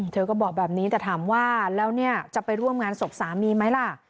เธอก็บอกแบบนี้แต่ถามว่าแล้วเนี่ยจะไปร่วมงานศพสามีไหมล่ะ